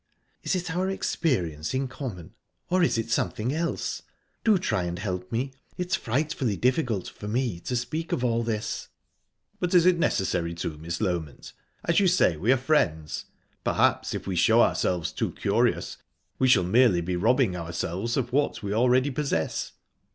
"Is it our experience in common, or is it something else? Do try and help me. It's frightfully difficult for me to speak of all this." "But is it necessary to, Miss Loment? As you say, we are friends. Perhaps if we show ourselves too curious, we shall merely be robbing ourselves of what we already possess."